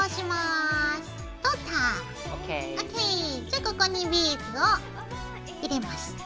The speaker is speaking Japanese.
じゃあここにビーズを入れます。